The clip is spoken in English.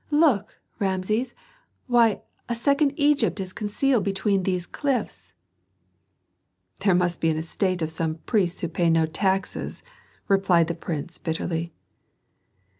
Look, Rameses! Why, a second Egypt is concealed between these cliffs!" "That must be an estate of some priest who pays no taxes," replied the prince, bitterly.